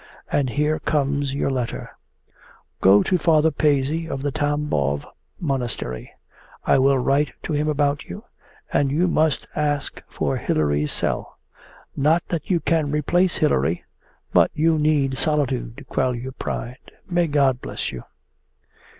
And here comes your letter. Go to Father Paissy of the Tambov Monastery. I will write to him about you, and you must ask for Hilary's cell. Not that you can replace Hilary, but you need solitude to quell your pride. May God bless you!